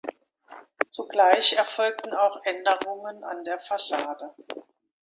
Zugleich erfolgten auch Änderungen an der Fassade.